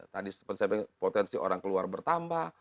tadi seperti saya bilang potensi orang keluar bertambah